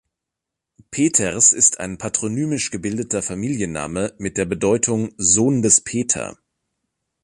Peters ist ein patronymisch gebildeter Familienname mit der Bedeutung "Sohn des Peter".